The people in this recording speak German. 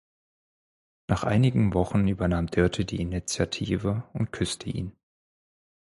Nach einigen Wochen übernahm Dörte die Initiative und küsste ihn.